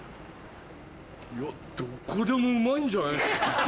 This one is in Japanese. いやどこでもうまいんじゃないっすか。